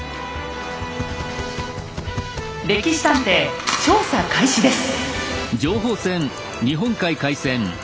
「歴史探偵」調査開始です。